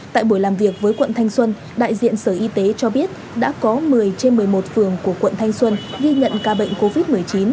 tại buổi làm việc với quận thanh xuân đại diện sở y tế cho biết đã có một mươi trên một mươi một phường của quận thanh xuân ghi nhận ca bệnh covid một mươi chín